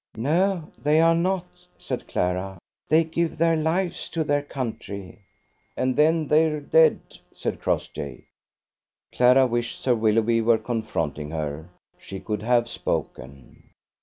"No, they are not," said Clara, "they give their lives to their country." "And then they're dead," said Crossjay. Clara wished Sir Willoughby were confronting her: she could have spoken.